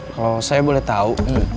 kalo saya boleh tau